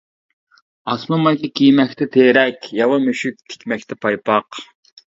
ئاسما مايكا كىيمەكتە تېرەك، ياۋا مۈشۈك تىكمەكتە پايپاق.